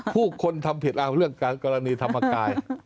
ผู้คนทำผิดเอาเรื่องการกรณีธรรมกาย